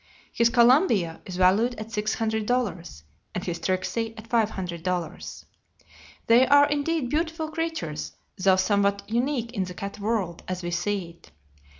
His Columbia is valued at six hundred dollars, and his Tricksey at five hundred dollars. They are, indeed, beautiful creatures, though somewhat unique in the cat world, as we see it.